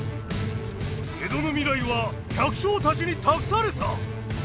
江戸の未来は百姓たちに託された！